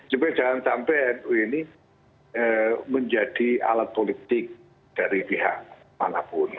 supaya jangan sampai nu ini menjadi alat politik dari pihak manapun